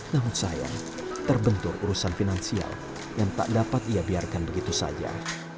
namun sayang terbentur urusan finansial yang tak dapat ia biarkan begitu saja